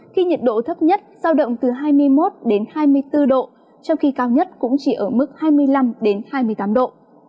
khi nhiệt độ thấp nhất giao động từ hai mươi một hai mươi bốn độ trong khi cao nhất cũng chỉ ở mức hai mươi năm hai mươi tám độ